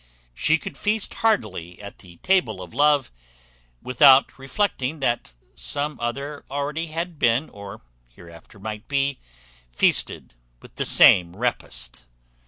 She could feast heartily at the table of love, without reflecting that some other already had been, or hereafter might be, feasted with the same repast.